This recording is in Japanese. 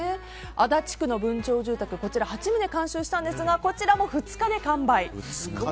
足立区の分譲住宅も８棟監修したんですがこちらも２日で完売。